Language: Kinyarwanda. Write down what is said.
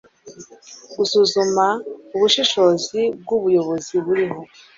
gusuzuma ubushobozi bw ubuyobozi buriho